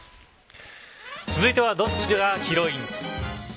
続いてはどっちがヒロイン？